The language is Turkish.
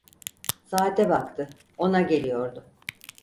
Saate baktı, ona geliyordu.